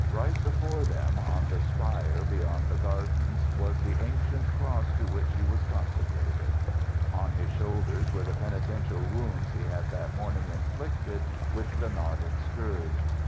Right before them, on the spire beyond the gardens, was the ancient cross to which he was consecrated. On his shoulders were the penitential wounds he had that morning inflicted with the knotted scourge.